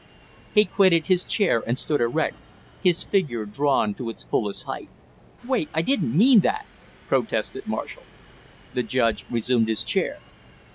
He quitted his chair and stood erect, his figure drawn to its fullest height. "Wait I didn't mean that," protested Marshall. The judge resumed his chair.